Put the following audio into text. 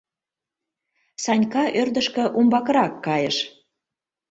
Санька ӧрдыжкӧ умбакырак кайыш.